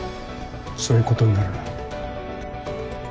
そういうことになるな。